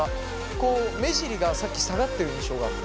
こう目尻がさっき下がってる印象があった。